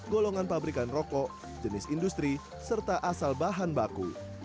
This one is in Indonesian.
golongan pabrikan rokok jenis industri serta asal bahan baku